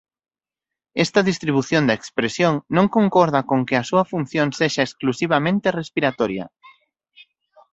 Esta distribución da expresión non concorda con que a súa función sexa exclusivamente respiratoria.